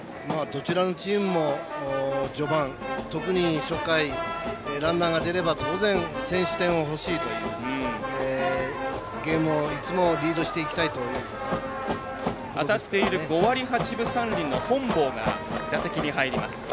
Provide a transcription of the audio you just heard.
どちらのチームも序盤、特に初回ランナーが出れば当然先取点が欲しいというゲームをいつもリードしていきたいと思っていると思いますね。